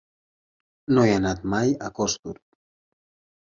No he anat mai a Costur.